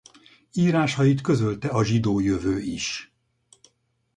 Írásait közölte a Zsidó Jövő is.